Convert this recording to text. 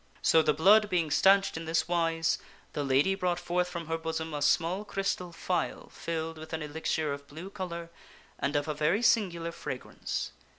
So, the blood being stanched in this wise, the lady brought TJu Lady ^ ihe forth from her bosom a small crystal phial filled with an elixir ^'g*^ of blue color and of a very singular fragrance.